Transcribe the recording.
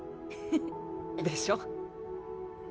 フフッ。でしょ。